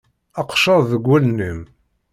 Aqeccaḍ deg wallen-im!